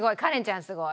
すごい。